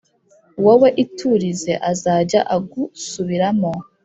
Wowe iturize azajya agusubiramo